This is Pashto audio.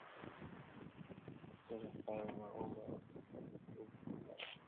تږی خیال مي اوبومه ستا د سترګو په پیالو کي,